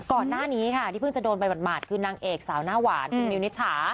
ก่อนหน้านี้ค่ะที่เพิ่งจะโดนไปหมาดคือนางเอกสาวหน้าหวานคุณมิวนิษฐา